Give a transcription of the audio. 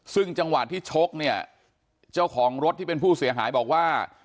ซึ่งจังหวะที่ชกเนี่ยเจ้าของรถที่เป็นผู้เสียหายบอกว่า